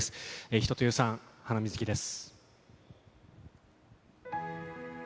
一青窈さん、ハナミズキです。